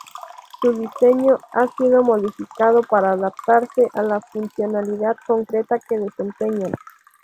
Su diseño ha sido modificado para adaptarse a la funcionalidad concreta que desempeñan.